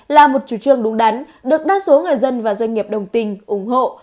là một chủ trương đúng đắn được đa số người dân và doanh nghiệp đồng tình ủng hộ